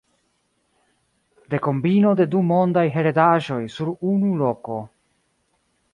Do kombino de du mondaj heredaĵoj sur unu loko.